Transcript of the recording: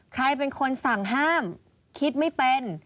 ใครเป็นคนสั่งห้ามคิดไม่เป็น